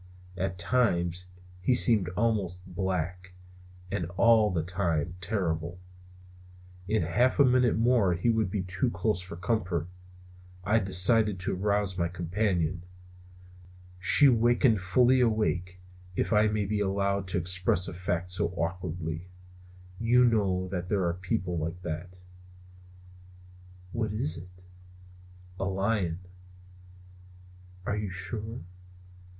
At times he seemed almost black; and all the time terrible. In half a minute more he would be too close for comfort, and I decided to arouse my companion. She wakened fully awake, if I may be allowed to express a fact so awkwardly. You may know that there are people like that. "What is it?" "A lion." "Are you sure?"